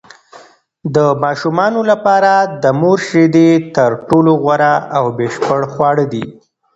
د ماشومانو لپاره د مور شیدې تر ټولو غوره او بشپړ خواړه دي.